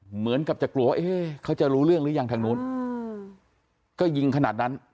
เหมือนกับจะกลัวว่าเขาจะรู้เรื่องหรือยังทางนู้นก็ยิงขนาดนั้น